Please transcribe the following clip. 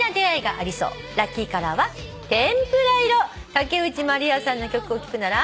竹内まりやさんの曲を聴くなら？